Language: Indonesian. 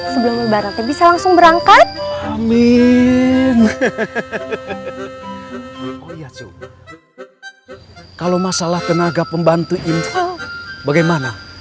sebelum lebaran bisa langsung berangkat amin kalau masalah tenaga pembantu info bagaimana